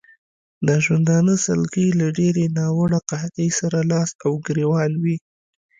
د ژوندانه سلګۍ له ډېرې ناوړه قحطۍ سره لاس او ګرېوان وې.